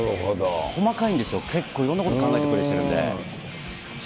細かいんですよ、結構いろんなこと考えてプレーしてるんで。